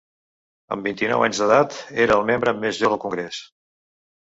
Amb vint-i-nou anys d'edat, era el membre més jove del congrés.